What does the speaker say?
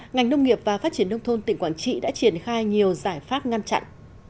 ngành nông nghiệp và phát triển nông thôn tỉnh quảng trị đã triển khai nhiều giải pháp ngăn chặn